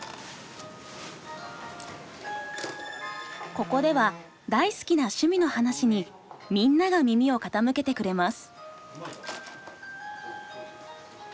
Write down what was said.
ここでは大好きな趣味の話にみんなが耳を傾けてくれます。